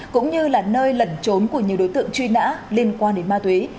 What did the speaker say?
cũng như là nơi lẩn trốn của nhiều đối tượng truy nã liên quan đến ma túy